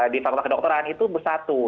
di fakultas kedokteran itu bersatu